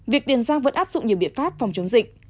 việc tiền giang vẫn áp dụng nhiều biện pháp phòng chống dịch